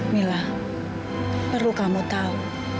mila perlu kamu tahu